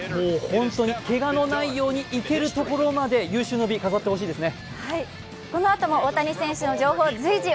ホントにけがのないようにいけるところまで有終の美を飾ってほしいですね。